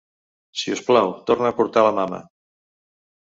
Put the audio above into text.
Si us plau, torna a portar la mama.